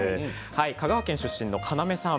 香川県出身の要さん